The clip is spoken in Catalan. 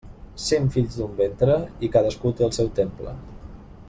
Cent fills d'un ventre, i cadascú té el seu temple.